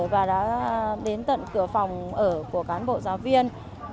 và đã đến tận cửa phòng ở của cán bộ giáo viên